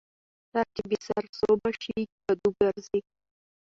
ـ سر چې بې سر سوابه شي کدو ګرځي.